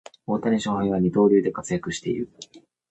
大谷翔平は二刀流で活躍している